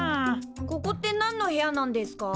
ここってなんの部屋なんですか？